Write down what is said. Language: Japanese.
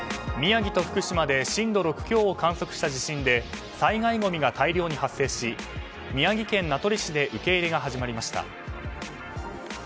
宮城と福島で震度６強を観測した地震で災害ごみが大量に発生し宮城県名取市で受け入れが始まりました。